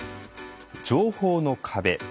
情報の壁。